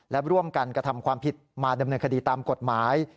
และร่วมกันกระทำความผิดมาดำเนินคดีตามกฎหมาย